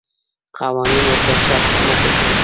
قوانین ورته ښه نه تشریح کېږي.